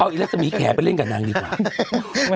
อิรษมีแขไปเล่นกับนางดีกว่า